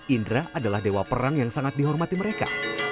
indra adalah dewa perang yang sangat dihormati mereka